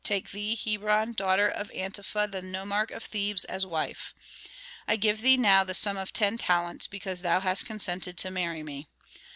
take thee, Hebron, daughter of Antefa the nomarch of Thebes, as wife. I give thee now the sum of ten talents because thou hast consented to marry me.